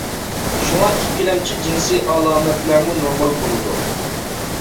شۇڭا ئىككىلەمچى جىنسىي ئالامەتلەرمۇ نورمال بولىدۇ.